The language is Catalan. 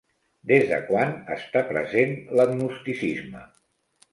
Des de quan està present l'agnosticisme?